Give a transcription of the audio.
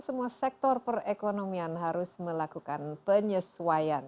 semua sektor perekonomian harus melakukan penyesuaian